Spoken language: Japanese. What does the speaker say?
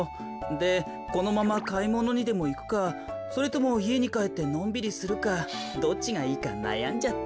でこのままかいものにでもいくかそれともいえにかえってのんびりするかどっちがいいかなやんじゃって。